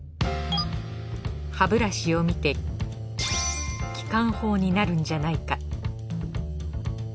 歯ブラシを見て機関砲になるんじゃないか。